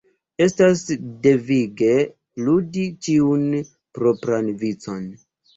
Estas devige ludi ĉiun propran vicon.